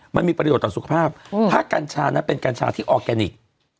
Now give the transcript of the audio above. มันมีประโยชน์ต่อสุขภาพถ้ากัญชานั้นเป็นกัญชาที่ออร์แกนิค